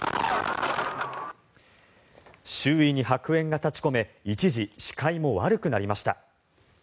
周囲に白煙が立ち込め一時、視界も悪くなりました。